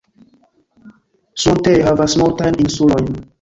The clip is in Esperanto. Suontee havas multajn insulojn.